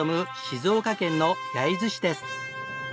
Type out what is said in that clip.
静岡県の焼津市です。